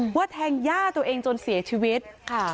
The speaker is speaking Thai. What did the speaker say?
ว่าแทงย่าตัวเองจนเสียชีวิตค่ะ